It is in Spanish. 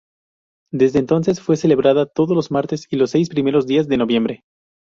Desde entonces, fue celebrada todos los martes y los seis primeros días de noviembre.